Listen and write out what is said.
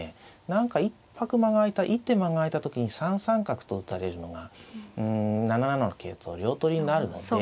何か一拍間が空いた一手間が空いた時に３三角と打たれるのがうん７七の桂と両取りになるので。